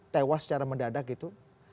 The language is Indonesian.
tewas secara mendadak gitu